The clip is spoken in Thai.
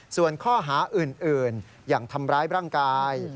ส่วนข้อหาอื่นอย่างทำร้ายร่างกาย